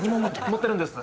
持ってるんです。